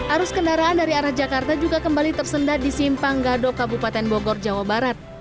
arus kendaraan dari arah jakarta juga kembali tersendat di simpang gadok kabupaten bogor jawa barat